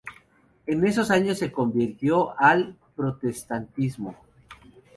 En esos años se convirtió al protestantismo.